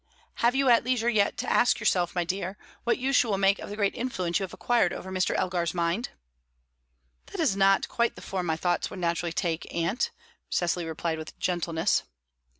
"Have you had leisure yet to ask yourself, my dear, what use you will make of the great influence you have acquired over Mr. Elgar's mind?" "That is not quite the form my thoughts would naturally take, aunt," Cecily replied, with gentleness.